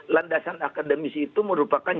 landasan akademisi itu merupakan